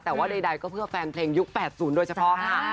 แต่ว่าใดก็เพื่อแฟนเพลงยุค๘๐โดยเฉพาะค่ะ